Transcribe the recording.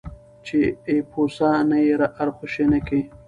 چې اېپوسه نه یې ارخوشي نه کي.